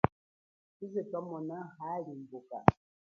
Chize thwamona halimbuka.